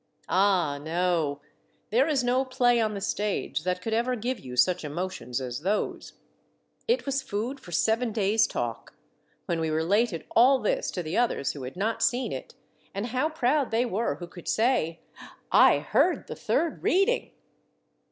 Ah ! no ! there is no play on the stage that could ever give you such emotions as those. It was food for seven days' talk, when we related all this to the others who had not seen it ; and how proud they were who could say, —" I heard the third reading